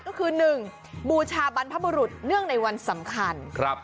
ก็คือ๑บูชาบรรพบุรุษเนื่องในวันสำคัญ